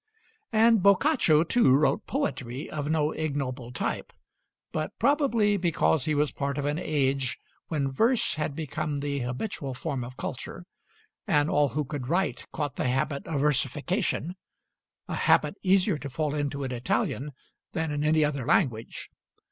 And Boccaccio too wrote poetry of no ignoble type, but probably because he was part of an age when verse had become the habitual form of culture, and all who could write caught the habit of versification, a habit easier to fall into in Italian than in any other language.